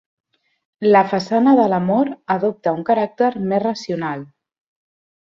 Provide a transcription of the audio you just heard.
La façana de l'Amor adopta un caràcter més racional.